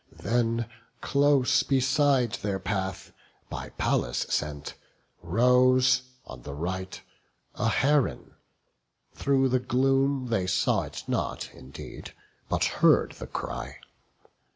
Then close beside their path, by Pallas sent, Rose, on the right, a heron; through the gloom They saw it not indeed, but heard the cry.